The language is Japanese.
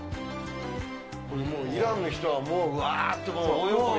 もう、イランの人はもう、うわーってもう、大喜び？